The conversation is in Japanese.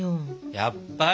やっぱり！